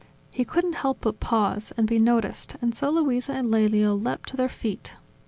He couldn't help but pause, and be noticed, and so Luisa and Lelio leapt to their feet.